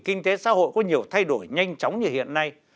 kinh tế xã hội có nhiều thay đổi nhanh chóng như hiện nay